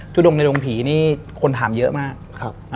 งในดงผีนี่คนถามเยอะมาก